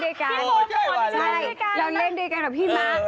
เราเล่นด้วยกันเราเล่นด้วยกันกับพี่ม้า